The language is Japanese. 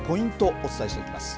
お伝えしていきます。